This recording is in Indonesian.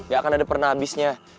gak akan ada pernah habisnya